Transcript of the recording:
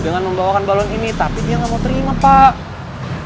dengan membawakan balon ini tapi dia nggak mau terima pak